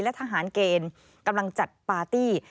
และทหารเกณฑ์กำลังจัดปาร์ตี้